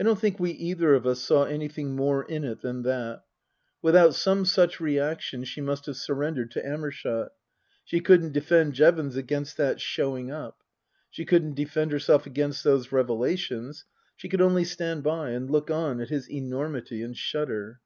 I don't think we either of us saw anything more in it than that. Without some such reaction she must have surrendered to Amershott. She couldn't defend Jevons against that showing up. She couldn't defend herself against those revelations, she could only stand by and look on at his enormity and shudder.